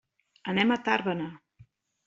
Anem a Tàrbena.